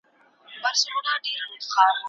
يووالی تر بې اتفاقۍ ډېر طاقت لري.